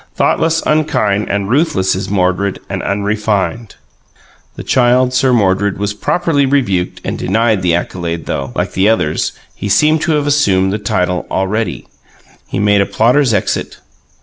Thoughtless, unkind, And ruthless is Mordred, and unrefined." The Child Mordred was properly rebuked and denied the accolade, though, like the others, he seemed to have assumed the title already. He made a plotter's exit.